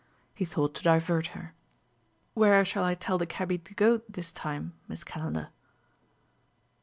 He thought to divert her. "Where shall I tell the cabby to go this time, Miss Calendar?"